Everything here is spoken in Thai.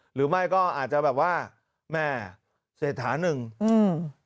หรือไม่ก็อาจจะแบบว่าแม่เศรษฐานึงอืม